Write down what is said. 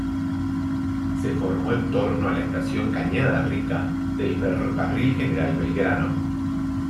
Se formó en torno a la Estación Cañada Rica del Ferrocarril General Belgrano.